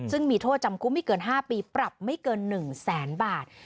ซึ่งมีโทษจำคุกไม่เกิน๕ปีปรับไม่เกิน๑แสนบาท